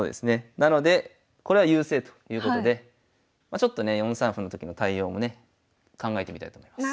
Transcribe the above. なのでこれは優勢ということでちょっとね４三歩のときの対応もね考えてみたいと思います。